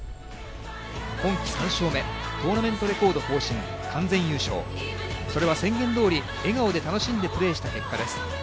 今季３勝目、トーナメントレコード更新、完全優勝、それは宣言どおり笑顔で楽しんでプレーした結果です。